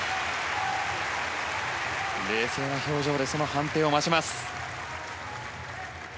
冷静な表情で判定を待ちます。